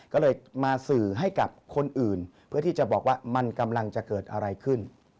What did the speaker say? ก็เลยมาสื่อให้กับคนอื่นเพื่อที่จะบอกว่ามันกำลังจะเกิดอะไรขึ้น